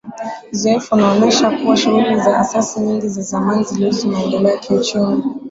Uzoefu unaonesha kuwa shughuli za asasi nyingi za jamii zilihusu maendeleo ya kiuchumi